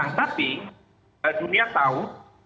nah tapi dunia tahu